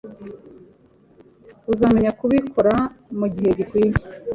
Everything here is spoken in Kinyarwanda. Uzamenya kubikora mugihe gikwiye.